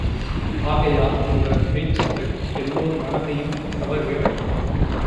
ஆகையால் இவர் பேச்சுக்கள் எல்லோர் மனதையும் கவர்கிறது.